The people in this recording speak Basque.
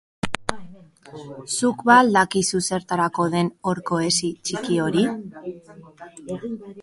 Zuk ba al dakizu zertarako den horko hesi txiki hori?